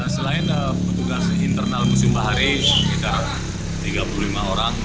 selain petugas internal museum bahari sekitar tiga puluh lima orang